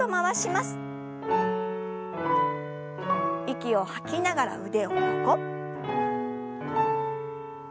息を吐きながら腕を横。